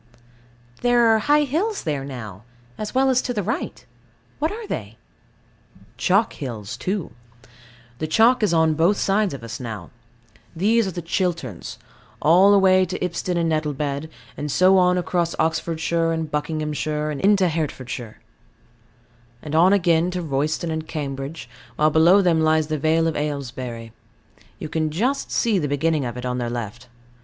There are high hills there now, as well as to the right. What are they? Chalk hills too. The chalk is on both sides of us now. These are the Chilterns, all away to Ipsden and Nettlebed, and so on across Oxfordshire and Buckinghamshire, and into Hertfordshire; and on again to Royston and Cambridge, while below them lies the Vale of Aylesbury; you can just see the beginning of it on their left.